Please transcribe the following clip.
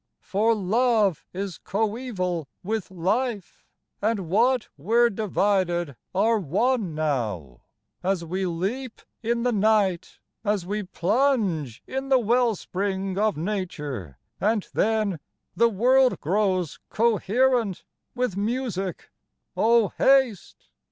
For love is coeval with life and what were divided are one now, As we leap in the night, as we plunge in the well spring of nature, and then The world grows coherent with music Oh, haste